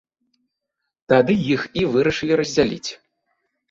Тады іх і вырашылі раздзяліць.